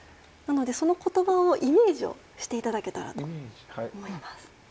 その言葉をイメージしていただけたらと思います。